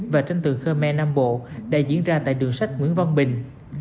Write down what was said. và tranh tường khơ me nam bộ đã diễn ra tại đường sách nguyễn văn bình